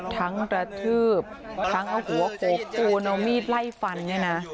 ทั้งตระทืบทั้งเอาหัวโกบกูลเอามีดไล่ฟัน